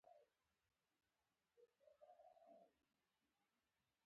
اوس هم دین، مذهب او سپېڅلتوب له ادرسه روان دی.